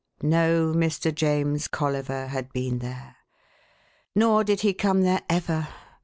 No Mr. James Colliver had been there. Nor did he come there ever.